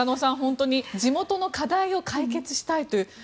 地元の課題を解決したいという。